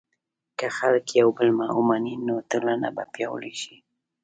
که خلک یو بل ومني، نو ټولنه به پیاوړې شي.